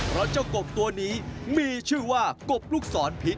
เพราะเจ้ากบตัวนี้มีชื่อว่ากบลูกศรพิษ